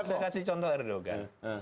saya kasih contoh erdogan